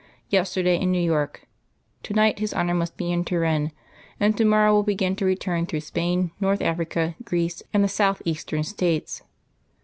Yesterday in New York. To night His Honour must be in Turin; and to morrow will begin to return through Spain, North Africa, Greece and the southeastern states."